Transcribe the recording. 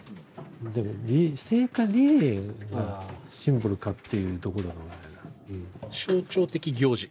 でも「聖火リレー」はシンボルかっていうところ。象徴的行事。